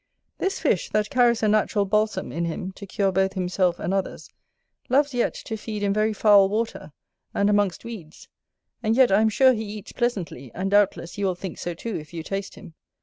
This fish, that carries a natural balsam in him to cure both himself and others, loves yet to feed in very foul water, and amongst weeds. And yet, I am sure, he eats pleasantly, and, doubtless, you will think so too, if you taste him.